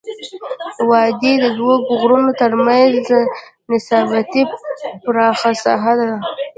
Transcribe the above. وادي د دوه غرونو ترمنځ نسبا پراخه ساحه ده.